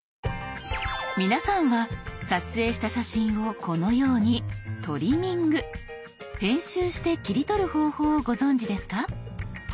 皆さんは撮影した写真をこのように「トリミング」編集して切り取る方法をご存じですか？